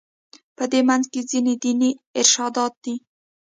په دې منځ کې ځینې دیني ارشادات دي.